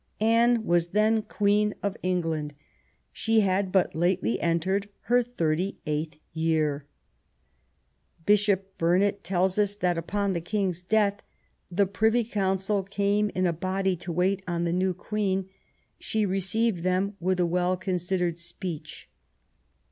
Anne was then the Queen of England. She had but lately entered her thirty eighth year. Bishop Burnet telJs us that " upon the King's death, the Privy Council came in a body to wait on the new Queen ; she received them with a well considered speech."